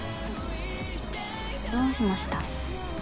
どうしました？